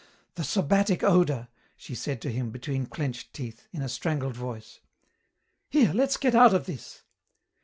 "The sabbatic odour!" she said to him between clenched teeth, in a strangled voice. "Here, let's get out of this!"